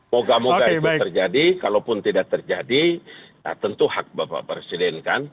moga moga itu terjadi kalaupun tidak terjadi tentu hak bapak presiden kan